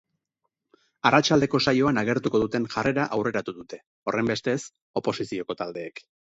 Arratsaldeko saioan agertuko duten jarrera aurreratu dute, horrenbestez, oposizioko taldeek.